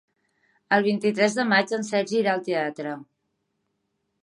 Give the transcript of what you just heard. El vint-i-tres de maig en Sergi irà al teatre.